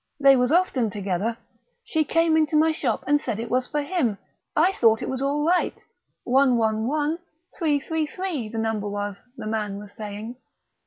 they was often together ... she came into my shop and said it was for him ... I thought it was all right ... 111333 the number was," the man was saying.